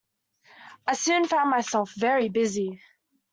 I soon found myself very busy.